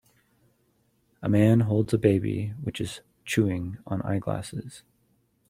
A man holds a baby, which is chewing on eyeglasses.